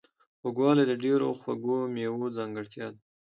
خوږوالی د ډیرو خواږو میوو ځانګړتیا ده.